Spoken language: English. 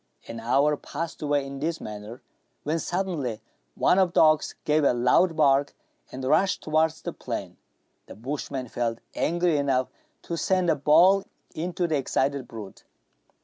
An hour passed away in this manner, when suddenly one of the dogs gave a loud bark, and rushed towards the plain. The bush man felt angry enough to send a ball into the excited brute.